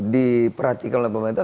diperhatikan oleh pemerintah